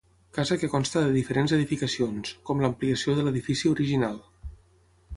Casa que consta de diferents edificacions, com l'ampliació de l'edifici original.